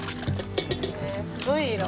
すごい色。